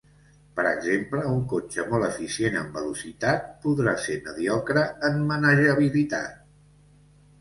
Per exemple, un cotxe molt eficient en velocitat podrà ser mediocre en manejabilitat.